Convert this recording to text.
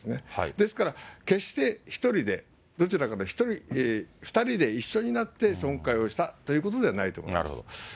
ですから決して１人で、どちらかの１人、２人で一緒になって損壊をしたということではないと思います。